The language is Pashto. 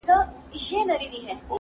غوړه مال کړي ژوند تباه د انسانانو!!